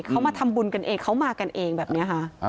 เขามาทำบุญกันเองเขามากันเองแบบนี้ค่ะ